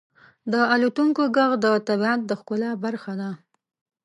• د الوتونکو ږغ د طبیعت د ښکلا برخه ده.